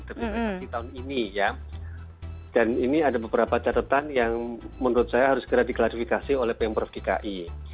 tapi tahun ini ya dan ini ada beberapa catatan yang menurut saya harus segera diklarifikasi oleh pemprov dki